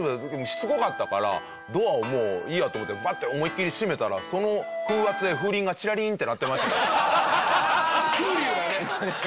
しつこかったからドアをもういいやと思ってバッて思いきり閉めたらその風圧で風鈴がチラリンって鳴ってましたけど。